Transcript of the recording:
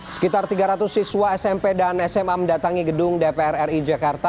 sekitar tiga ratus siswa smp dan sma mendatangi gedung dpr ri jakarta